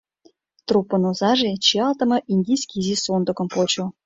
“Труппын озаже” чиялтыме индийский изи сондыкым почо.